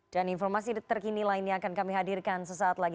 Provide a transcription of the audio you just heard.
dan informasi terkini lainnya akan kami hadirkan sesaat lagi